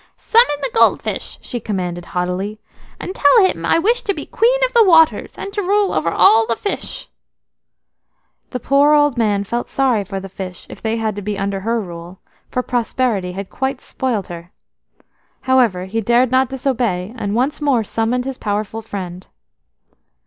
"Summon the gold fish," she commanded haughtily, "and tell him I wish to be Queen of the Waters, and to rule over all the fish." HE poor old man felt sorry for the fish if they had to be under her rule, for prosperity had quite spoilt her. However, he dared not disobey, and once more summoned his powerful friend.